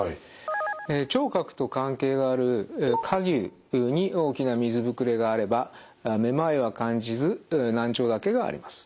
聴覚と関係がある蝸牛に大きな水ぶくれがあればめまいは感じず難聴だけがあります。